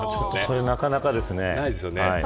それはなかなかですね。